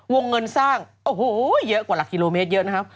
วงเงินสร้างโอ้โหเยอะกว่าหลักกิโลเมตรเยอะนะครับ